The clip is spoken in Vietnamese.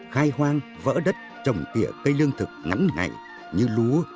khai hoang vỡ đất trồng kịa cây lương thực ngắn ngại như lúa